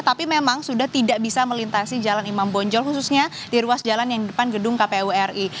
tapi memang sudah tidak bisa melintasi jalan imbang bojol khususnya di ruas jalan yang depan gedung kpwri